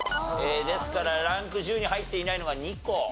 ですからランク１０に入っていないのが２個。